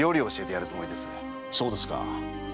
そうですか。